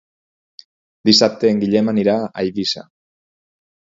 Dissabte en Guillem anirà a Eivissa.